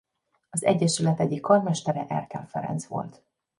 Az egyesület egyik karmestere Erkel Ferenc volt.